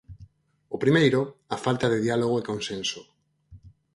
O primeiro, a falta de diálogo e consenso.